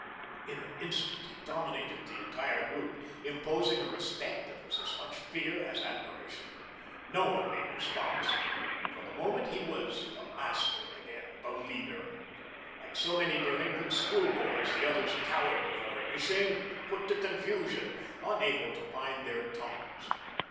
In an instant he dominated the entire group, imposing a respect that was as much fear as admiration. No one made response. For the moment he was the Master again, the Leader. Like so many delinquent school boys, the others cowered before him, ashamed, put to confusion, unable to find their tongues.